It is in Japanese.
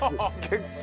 結構。